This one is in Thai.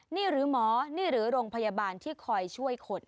นี่หรือหมอนี่หรือโรงพยาบาลที่คอยช่วยคน